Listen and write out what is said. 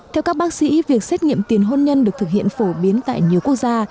theo các bác sĩ việc xét nghiệm tiền hôn nhân được thực hiện phổ biến tại nhiều quốc gia